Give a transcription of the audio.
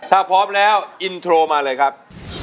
ถ้าพร้อมแล้วอินโทรมาเลยครับ